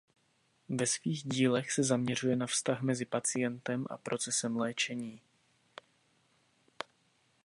Ve svých dílech se zaměřuje na vztah mezi pacientem a procesem léčení.